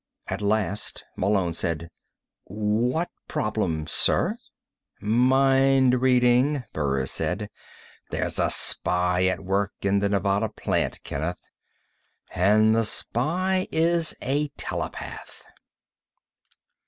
At last, Malone said: "What problem, sir?" "Mind reading," Burris said. "There's a spy at work in the Nevada plant, Kenneth. And the spy is a telepath."